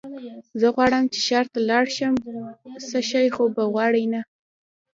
زه غواړم چې ښار ته ولاړ شم، څه شی خو به غواړې نه؟